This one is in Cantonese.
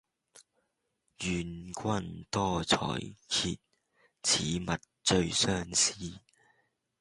願君多采擷，此物最相思。